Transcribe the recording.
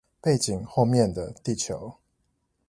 背景後面的地球